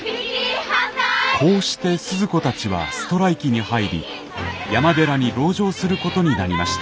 こうしてスズ子たちはストライキに入り山寺に籠城することになりました。